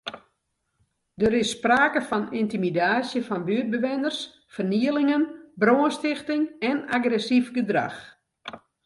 Der is sprake fan yntimidaasje fan buertbewenners, fernielingen, brânstichting en agressyf gedrach.